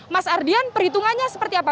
mas ardian perhitungannya seperti apa